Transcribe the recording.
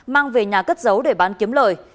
mang về nhà cất giấu để bán kiếm lời